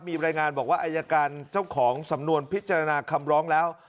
มีรายงานบอกว่าอายการเจ้าของสำนวนพิจารณาคำร้องแล้ว